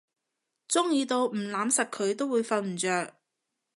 中意到唔攬實佢會瞓唔著